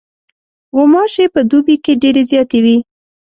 غوماشې په دوبي کې ډېرې زیاتې وي.